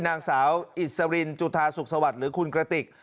นางสาวอิสรินจุธาสุขสวัสดิ์หรือคุณกระติก